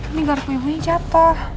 ini garpunya jatuh